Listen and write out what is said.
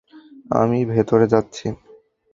আমি ভেতরে যাচ্ছি।